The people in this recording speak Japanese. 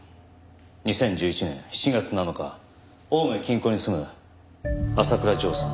２０１１年７月７日青梅近郊に住む浅倉譲さん